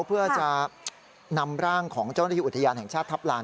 เพื่อจะนำร่างของเจ้าหน้าที่อุทยานแห่งชาติทัพลาน